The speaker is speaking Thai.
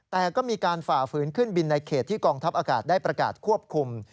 แต่ก็มีการฝ่าฝืนขึ้นบินในเขตที่กองทัพอากาศได้ประกาศควบคุม